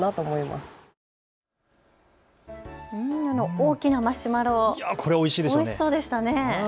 大きなマシュマロ、おいしそうでしたね。